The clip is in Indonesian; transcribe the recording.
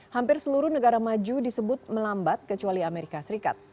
hampir seluruh negara maju disebut melambat kecuali amerika serikat